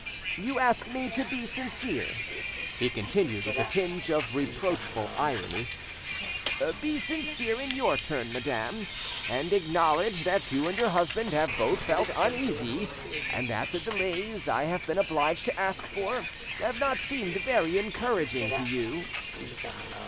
You ask me to be sincere," he continued, with a tinge of reproachful irony; "be sincere in your turn, madame, and acknowledge that you and your husband have both felt uneasy, and that the delays I have been obliged to ask for have not seemed very encouraging to you?"